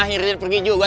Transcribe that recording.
akhirnya pergi juga